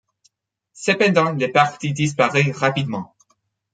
Cependant, le parti disparaît rapidement.